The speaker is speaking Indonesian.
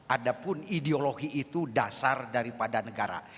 ada pun ideologi itu dasar daripada negara